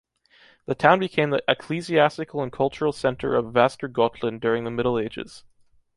The town became the ecclesiastical and cultural center of Västergötland during the Middle Ages.